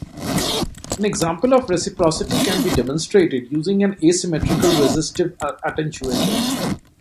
An example of reciprocity can be demonstrated using an asymmetrical resistive attenuator.